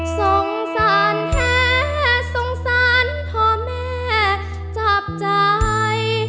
สงสารแท้สงสารพ่อแม่จับใจ